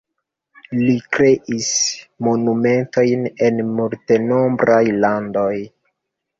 Li kreis monumentojn en multenombraj landoj.